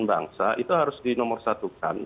bangsa itu harus dinomorsatukan